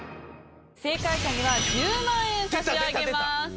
正解者には１０万円差し上げます。